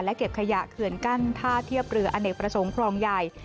เก็บขยะเขื่อนกั้นท่าเทียบเรืออเนกประสงค์ครองใหญ่